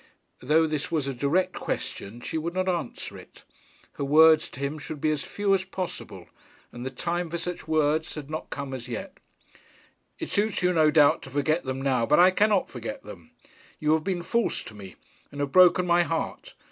Though this was a direct question she would not answer it. Her words to him should be as few as possible, and the time for such words had not come as yet. 'It suits you no doubt to forget them now, but I cannot forget them. You have been false to me, and have broken my heart.